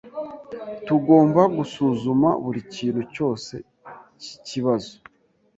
Tugomba gusuzuma buri kintu cyose cyikibazo.